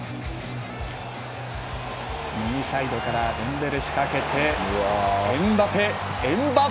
右サイドからデンベレ仕掛けてエムバペ！